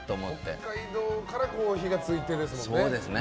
北海道から火が付いてですもんね。